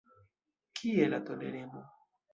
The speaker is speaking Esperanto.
Kie la toleremo?